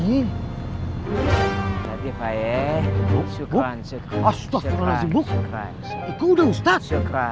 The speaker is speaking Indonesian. itu udah ustadz